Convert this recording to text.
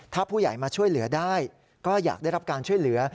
ถ้าผู้ใหญ่มาช่วยเหลือได้ก็อยากได้รับการช่วยเหลือ